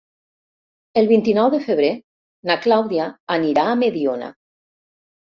El vint-i-nou de febrer na Clàudia anirà a Mediona.